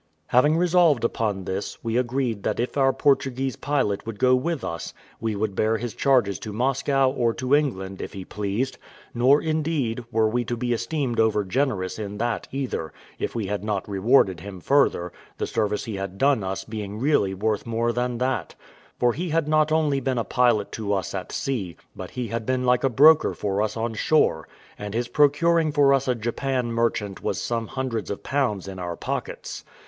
Having resolved upon this, we agreed that if our Portuguese pilot would go with us, we would bear his charges to Moscow, or to England, if he pleased; nor, indeed, were we to be esteemed over generous in that either, if we had not rewarded him further, the service he had done us being really worth more than that; for he had not only been a pilot to us at sea, but he had been like a broker for us on shore; and his procuring for us a Japan merchant was some hundreds of pounds in our pockets.